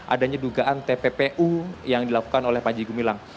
adanya dugaan tppu yang dilakukan oleh panji gumilang